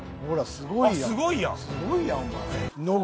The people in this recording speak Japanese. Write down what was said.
すごいやん！